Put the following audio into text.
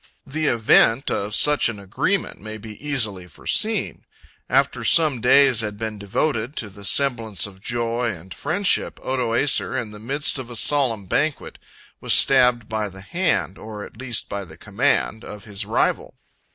The event of such an agreement may be easily foreseen. After some days had been devoted to the semblance of joy and friendship, Odoacer, in the midst of a solemn banquet, was stabbed by the hand, or at least by the command, of his rival.